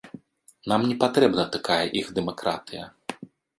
Нам не патрэбна такая іх дэмакратыя.